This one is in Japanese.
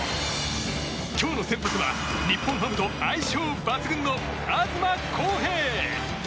今日の先発は日本ハムと相性抜群の東晃平。